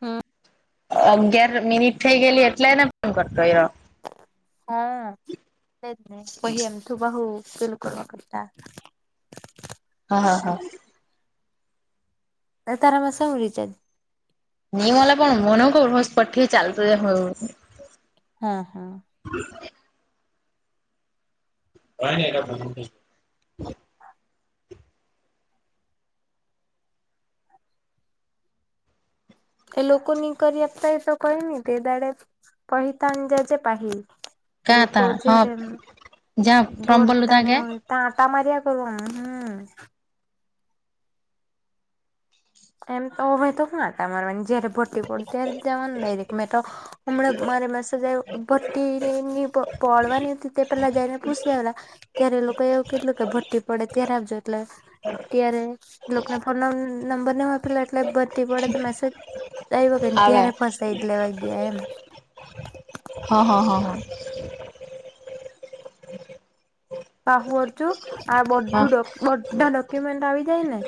હા. અગિયાર મિનિટ થઈ ગયલી એટલેને ફોન કરતો એ હા એજ નહી પઈ એમ થું બહુ પેલું કરવા કરતા હા હા હા તારમાંસ ઉલી છે ન મલા પણ મનો કું હો પટી ચાલત હ હા હા [unintelligible] [unintelligible] એ લોકો નની કરી આપતાય તો કહી ન તે દાડે પહતા અંજાજે પાહી એ ક્યાં લોકો તા હા જય્યારે એમ જ્યાં ફોર્મ ભરલું દોરતા ત્યાં ને ગયા હોય ત આંટા માર્યા કરનું હમ એમ તોવેય તો જયારે ભરતી પડે ત્યારે જવાનું ડાયરેક્ટ. મેતો હમણાં મારી મેસેજ આવ્યો. બતી ને એ પડવાની ત તે પહેલા જાયને પુસી આવેલા. ત્યારે એ લોકો એવું કેટલું કે ભરતી પડે ત્યારે આપજો એટલે ત્યારે એ લોકોના ફોન નંબર આપેલા એટલે ભરતી પડે તો મેસેજ આવ કેને, આવે ત્યારે ફસાઈ એટલેેવા ગયા એમ. હા હા હા હા. આ બધું, આ હા બધું બધા ડોક્યુમેન્ટ આવી જાય ને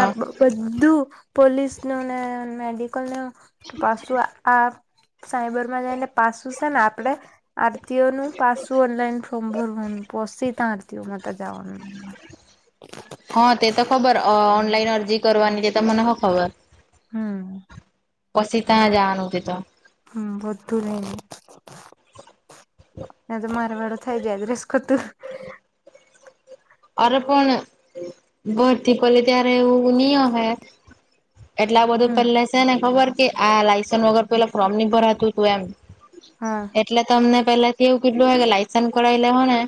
આ બધું પોલીસનું ને મેડિકલનુ પાસું આ સાયબરમાં જઈને પાસું છે ને આપડે આરતીઓનું પાછું ઓનલાઈન ફોર્મ ભરવાનું. પોસી ત હમ [unintelligible] હા, તે તો ખબર. ઓનલાઈન અરજી કરવાની તે તો મને હો ખબર. હમ. પછી ત્યાં જા નહતી તો હમ. બધુ રહેને એ તો મારેવાડ થઈ જાય રસકોતું. અરે પણ ભરતી પલી ત્યારે એવું ની ઓહે? એટલા બધું હમ પેલા છે ને ખબર, કે આ લાયસન્ વગર પેલા ફોર્મની ભરાતું હતું એમ. હા. એટલે તમને પેલાથી એવું કેટલું હોય, કે લાયસન્સ કરાવી લે હો ને.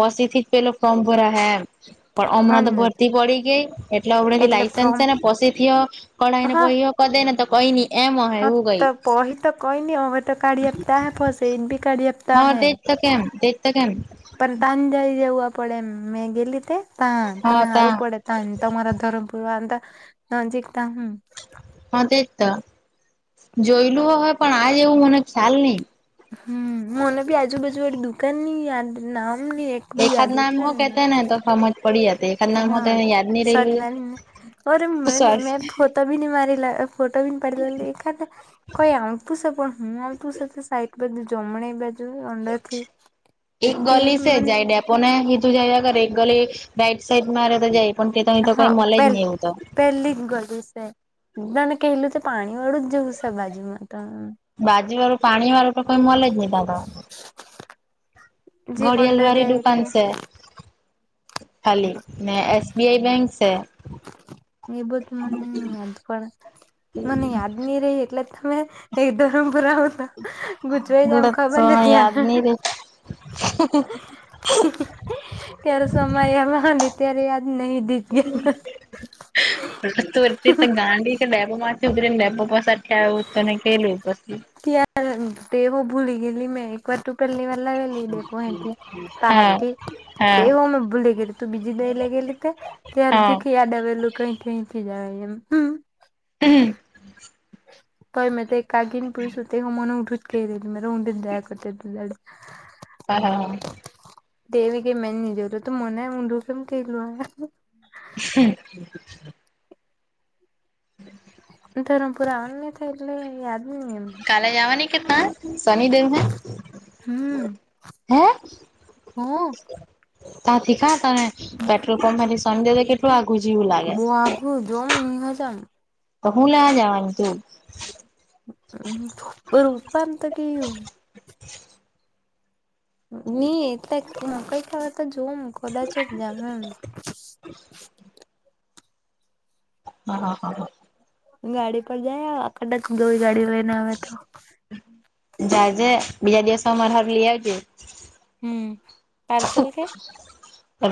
પછીથી જ પેલો ફોર્મ ભરા હે. અચ્છા. પણ હા હમણાં તો ને ભરતી પડી ગઈ. એટલે આપડે જે લાઇસન્સ છે ને પછીથી કઢાઈ ને હા પયો કર દે ને તો કઈ ની એમ અહે હા, એવું કઈ તો પહી તો કોઈ ની અવે તો કાઢી આપતા હૈ બસ એક બે કાઢી આપતા હા હૈ. તેજ કેમ, તેજ તો કેમ? પણ તાંજાઈ જવા પડેમ મેં ગેલી તે તા હા તને તા હારું પડે. તો મારા ધરમપુરવા અંદર નજકતા હમ. હા, તેજ તો જોયલું હોય પણ આજ એવું મને ખ્યાલ નહી. હમ. મને બી આજુબાજુ વાળી દુકાન નઈ યાદ નામની વિ એખાદ યાદ નામ એટલે હો ને કેતે તો હમજ પડી હત હા સાત મેન અરે સોરી મે તોબીની મારેલા, ફોટોબીની પાડીલા એખાદે કહી [unintelligible] પણ હું. તું સે ત સાઈટ બાજુ જમણે બાજુ અંદરથી તે મને પણ એ હીધું જાયા કરે એક ગલી રાઈટ સાઈડ મારે તો જાય. પણ તે તો કઈ હા મળે જ પેલ નહી એવું તો પેલી જ ગલી છે તને કેહલું તો પાણીવાળું જ જવું છે બાજુમાં તો બાજુવાળું પાણીવાળું તો કોઈ મલે જ ની ત્યાં તો. જે અંદર ઘડિયાલવાળી જાય દુકાન એટલે છે ખાલી ને એસ બી આઈ બેંક છે. એ બધું મને યાદ પણ, મને યાદ ની રેય એટલે તમે એ ધરમપુર આવો તો. ગુજરાઈ જ એમ એટલે ખબર તો નથી આને યાદની રે. ત્યારે સમય આવ હને, ત્યારે યાદ નહી દીધ. તું ત ગાંડી કે ડેબોમાંથી ઉધરીને ડેબો પાસે આવ્યું તોને કેલ પછી ત્યારે દેવું ભૂલી ગેલી મેં, એક વાર તો પહેલી વાર લાવેલી દેપો હેતી. પા હા હતી હા તેહો મે ભૂલી ગઈલી તો બીજી બે લઈ ગેલી તે ત્યારે જે હા કે યાદ આવેલું. કઈ કઈથી જાય એમ. હમ કય મેં તે કાકી ને પૂયસુ તે હો મને ઊંધુ જ [unintelligible] હા હા તેને કે મે ની જોયલું તો મને ઊંધું કેમ કિધલું ઓહે હ [inaudible] ધરમપુર આવાનું ની થાય એટલે યાદ ની એમ કાલે જવાની કે તા શનિદેવ હૈ હંમ હું તા થી કા તમેં પેટ્રોલ પંપ માંથી સમ દે તો કેટલું આગું જેવું લાગે તું જોમ હ જામ તો હું લેવા જવાની તું [unintelligible] ની એત મકઈ ખડા તો જોમ કદાચ જ જામ એમ [inaudible] હા હા હા હા ગાડી પર જાય આખ ગઈ ગાડી લઈને આવે તો જાજે બીજા દિવસે અમારા હારું લી આવજે હમ પાર્સલ કે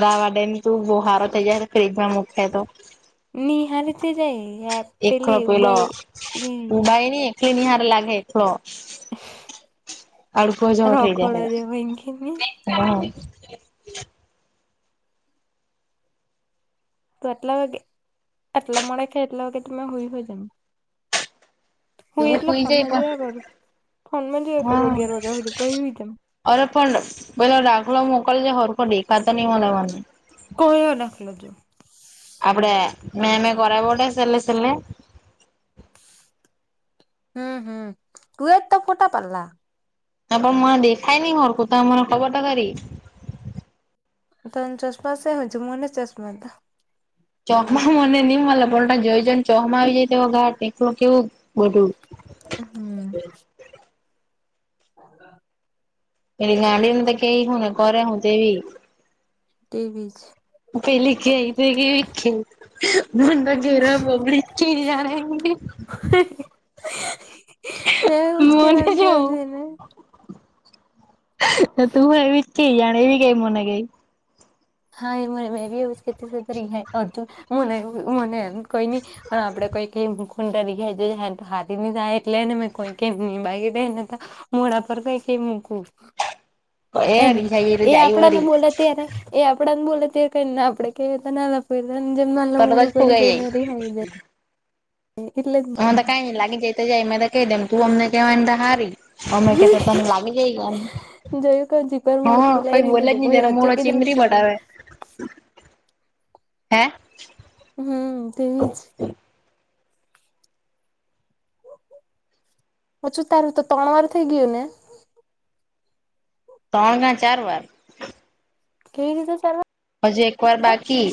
વાવા દે ની તું બો હારો થઈ જાહે [unintelligible] મૂખે તો નિહારીથી જાય. એકલો પેલી પેલો ઉબાઈ ઉબાઈ ન એકલી નિહારે લાગે. તો અડખો જવો થઇ રખોડો જાય હ જે ભંગીની [unintelligible] હા. તો આટલા વાગે આટલા મોડા ખ આટલા વાગે તમે હય હોય જમ. હું તું એટલા સુઈ જાય ફોનમાં પણ જોયા કરું ફોનમાં જોયા કરું હા અગિયાર વાગ્યા હુંધી પસી હુઇ જામ અરે પણ પેલો દાખલો મોકલજે હરખો દેખાતો નહી મલે મને ક્યો દાખલો જો આપડે મે મે કરાબોટે સેલે સેલે હમ હમ તુંએ તો ફોટા પાલ્લા ત પણ મને દેખાય ની હરખું તમે મને ખબર ત ખરી તન ચશ્માસે હજુ મને ચશ્મા તા ચોખમાં મને નહી મળ પણ જય જણ ચોખમાં આવી જાય તેવ ઘાટ એકલું કેવું ગઢું હમ. હ. એની ગાંડને તો કેઈ હુંને કર હું તેવી. ટીવી જ. પેલે કે આઈ તો ગ વખે. બડા ઘેરા પબ્લિક કે જના. હ. મને જો. તું એવી જ કે જાણે એવી કઈ મને ગઈ. હા એ મને મેં ખ તરી હૈ મને મને [unintelligible] કઈ નઈ અને આપડે કઈ કઈ. ખૂ તરી ગજ હારી ન જાય એટલેને મે કોઈ ક નહી માગી દેને મુઢા પર કઈ કેઈ મુકુ? એ એને હરી જાય તો એ જાય આપડાને વરી બોલે ત્યારે એ આપડા ને બોલે ત્યારેને આપડે કે પેલા ના જેમ નાનું તરત જ મોઢું કરી ફુગાઈ જાયને રિહાય જાય. એટલે જ. હ તો કઈ લાગી જ તો જાય મ. કહી દેમ તું અમને કેવાય એમ હારી અમે કે તો તને લાગી જઈ ગયા એમ. જોયું કે જીગર મોડું હા ફુલાઈ કઈ રી બોલે જ લીધી નહી પહી ત્યારે મળો અચૂકી જ ચીમરી હસી બટાવે. પડ હે. હમ તેવી જ. હછું તારું તો ત્રણ વાર થઇ ગયું ને. ત્રણ ક ચાર બર. કેવી રીતે ચાલ? હજુ એક વાર બાકી.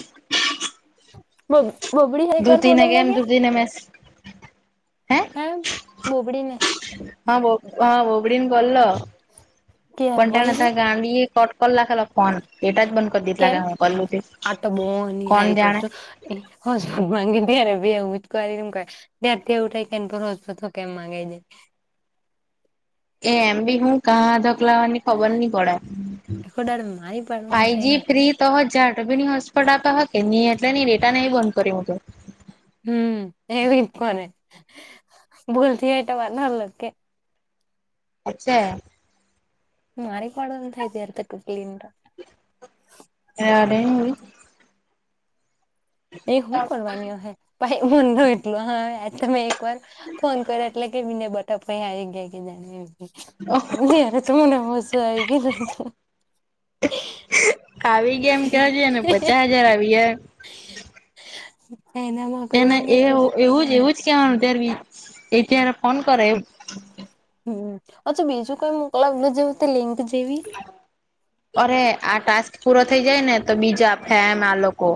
બ બબડી હા એક એક વાર ધૂતીને ફોનલ કેમ લાગે. ધૂતીને મેસ હે હા બોબડીને. હા બો હા બોબડીને બોલલો ત્યારે વહી કોટાના ગઈ હતા ગાડી. કટ કર લ ખેાલ ફોન એટા જ બંધ કરી દઈ લ કેમ કે હું કલુ આ તો બહુ કોણ હારી ચોર જાણે. છો એ હ ગીીય બે હું જમ ક. ત્યારથી એવું થાય કે એને પરોજ તો કેમ ગે જાય. એ એમ બી હું કા ધકલાવાની ખબર ન પડ આખો દાડો મારી પાડવાનું ફાઈવ થાય જ હતું. ફિજ- તો હજાર રૂપિયા ની હસફટ આપા હ કે નહી એટલે ની ડેટા નહી બંધ કર્યું હતું. હમ એવી કોને બોલથી એટ વાર નાર લ. અચ્છા. મારીક વાડઈર તક ક્લીન્ર. એયા મેન મુવી. એ શું કરવાની હશે ભાઈ મ ન એટલું હ તમે એક વાર ફોન કર એટલે કે બને બટા આવી ગયા કે જા. ત મેને હસ એ કીધુ તુ. આવી ગેમ કેજને પચાસ હજાર આવી હ. હ નામ કરવાવાંગીઈ તો કોવારની કેવા તાર એટ ફન કર. હમ અચ્છા બીજું કઈ મોકલાલ જવ તે લિંક જેવી. અરે આ ટાસ્ક પૂરો થઇ જાય ને તો બીજા આપે એમ આ લોકો.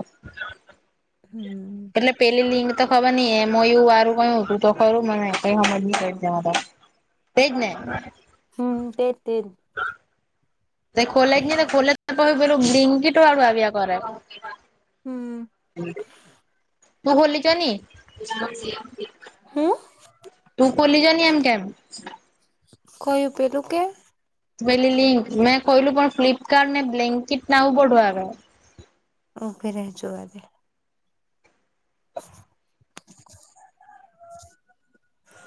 હમ. એટલે પેલી લિંક તો ખબર નઈ એ એવું વારું કયું હતું તો ખરું મને કઈ સમજ નહી. વેજને. હમ તે તે. તે ખોલે કેને ખોલે ત હ બેલું બિકીટ આળું આબિયા કરે. હમ. હું ભોલી ચ ને. તું બોલી જ એમ કેમ. કોઈયું પેલું કે. પેલી લિંક મેં કહલું પણ ફ્લલીપકાર્્ટટ ને બ્લાન્કેટ નાું પડવા આવે. ઓકેરે જોવાદે. [unintelligible]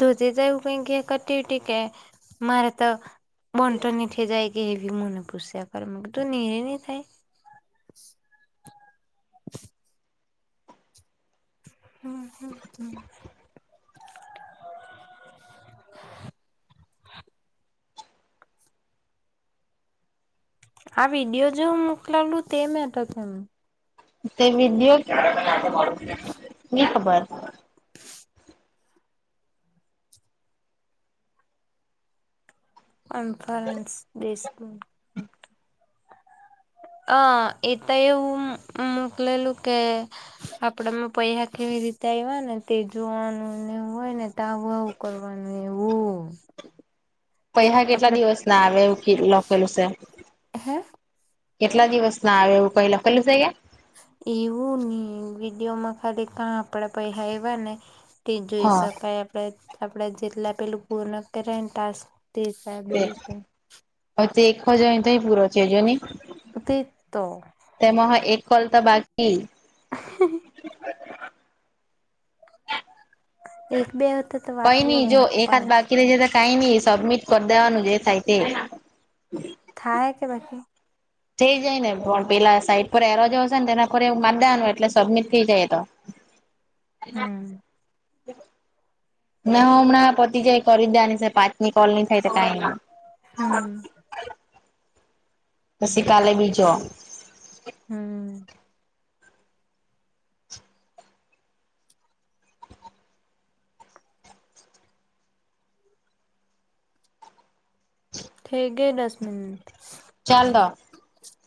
ધોધે જવું પકી ક ટીવ કે મારે તો. મન તો નીઠે જાય કે એવી મને પુષ્યા કર તું એવી થાય. હમ હમ હમ. આ વિડીયો જો મોકલાવલું તે મેટ કેમ. તે વિષયો કયા ખબર. એમફરેન્સ દેશ. [inaudible] અ એ તો એવું મોકલેલું કે. આપડા માં પૈસા કેવી રીતે આવ્યા ને તે જોવાનુંને હોય ને તો આવું આવ. કોલવાનું એવું. પૈસા કેટલા આપડે દિવસ ના આવે એવું લખેલું છે. હે કેટલા દિવસ ના આવે એવું પ લખેલું છે કેય. એવું ને વિડીયો માં ખાલી ક આપડા પૈસા એવા ને તે જોઈ હા શકાય આપણે આપણે જેટલા પેલું પૂર્ણ કરને ટાસ્ તે હિસાબે એવું કઈ તે પછી તો પૂરો થજો નહી. તે તો. તેમાં હા એક કલતા બાકી. હ. [unintelligible] એક બે વખતે તો વાત કઈ અલગ નહી જો હોય એક હાથ પાંચ બાકી ર જતા. થઈ ન સબમિટ કરી દેવાનું જે થાયતે. થાય કે બાકી. થઈ જાય ને પણ પેલા સાઈટ પર એરોજ હશે ને તેના પર એ મારદવાનુંય એટલે સબમિટ થઈ જાય એ તો. એના. હમ નાને હ હમણાં પતિ જાય કરી દાની પાંચની કોલની થાય કઈ ના. હમ. પશી કાલે બીજો. હમ. થઠે ગ દસ મિનન્ટ. ચાલ દો.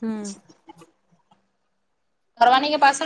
હમ. કરવાની કે પાસે